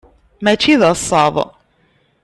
Mačči d asaḍ.